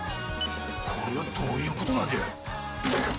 これはどういうことなんじゃ？